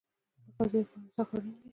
د قاضي لپاره انصاف اړین دی